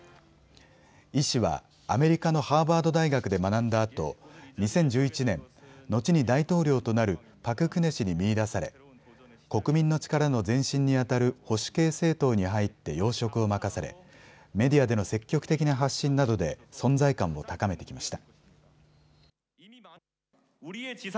イ氏はアメリカのハーバード大学で学んだあと２０１１年、後に大統領となるパク・クネ氏に見いだされ国民の力の前身にあたる保守系政党に入って要職を任されメディアでの積極的な発信などで存在感を高めてきました。